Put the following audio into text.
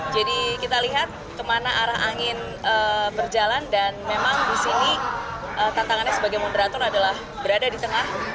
jadi kita lihat kemana arah angin berjalan dan memang disini tantangannya sebagai moderator adalah berada di tengah